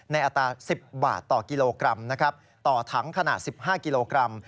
อัตรา๑๐บาทต่อกิโลกรัมนะครับต่อถังขนาด๑๕กิโลกรัม